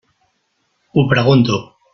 Ho pregunto.